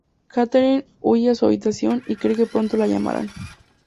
Catherine huye a su habitación, y cree que pronto la llamarán.